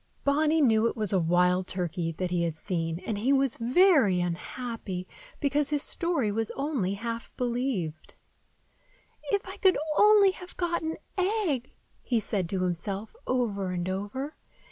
Bonny knew it was a wild turkey that he had seen, and he was very unhappy because his story was only half believed. "If I could only have got an egg!" he said to himself, over and over.